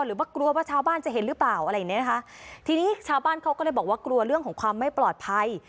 หรือว่ากลัวว่าชาวบ้านจะเห็นหรือเปล่าอะไรอย่างเงี้นะคะทีนี้ชาวบ้านเขาก็เลยบอกว่ากลัวเรื่องของความไม่ปลอดภัย